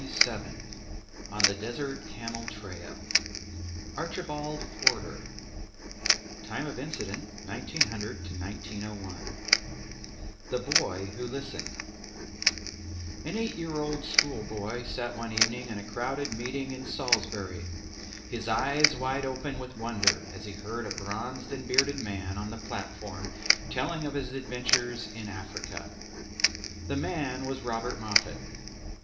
] CHAPTER XXVII ON THE DESERT CAMEL TRAIL Archibald Forder (Time of Incident 1900 1901) The Boy Who Listened An eight year old schoolboy sat one evening in a crowded meeting in Salisbury, his eyes wide open with wonder as he heard a bronzed and bearded man on the platform telling of his adventures in Africa. The man was Robert Moffat.